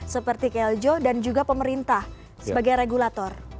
seperti keljo dan juga pemerintah sebagai regulator